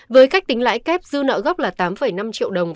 với cách tính lãi kép dư nợ gốc là tám năm triệu đồng